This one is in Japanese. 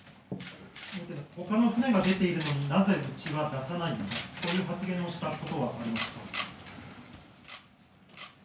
ほかの船が出ているのになぜうちは出さないのか、そういう発言をしたことはありますか。